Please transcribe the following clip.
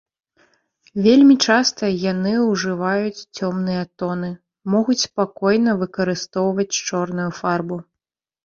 Вельмі часта яны ўжываюць цёмныя тоны, могуць спакойна выкарыстоўваць чорную фарбу.